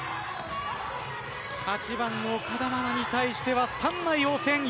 ８番の岡田愛菜に対しては３枚応戦。